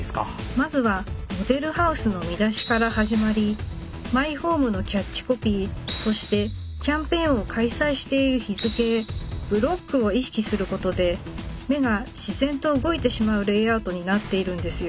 まずは「ＭＯＤＥＬＨＯＵＳＥ」の見出しから始まり「マイホーム」のキャッチコピーそしてキャンペーンを開催している日付へブロックを意識することで目が自然と動いてしまうレイアウトになっているんですよ。